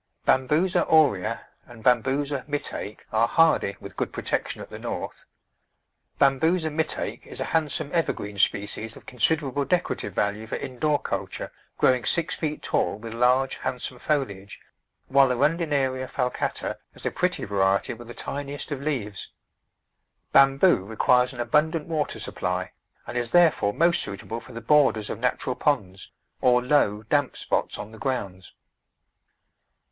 B. aurea and B. Metake are hardy with good protection at the North. B. Mfetake is a handsome evergreen species of consider able decorative value for indoor culture, growing six feet tall with large, handsome foliage, while A. f al cata is a pretty variety with the tiniest of leaves. Bamboo requires an abundant water supply, and is therefore most suitable for the borders of natural ponds, or low, damp spots on the grounds.